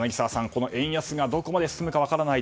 この円安がどこまで進むか分からない。